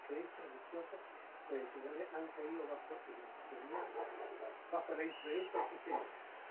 Las creencias religiosas tradicionales han caído bajo la influencia del cristianismo.